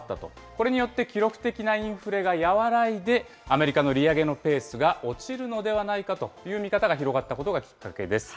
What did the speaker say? これによって、記録的なインフレが和らいで、アメリカの利上げのペースが落ちるのではないかという見方が広がったことがきっかけです。